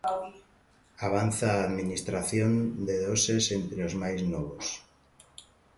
Avanza a administración de doses entre os máis novos.